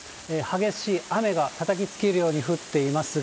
激しい雨がたたきつけるように降っていますが。